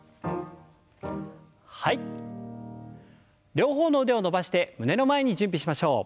両方の腕を伸ばして胸の前に準備しましょう。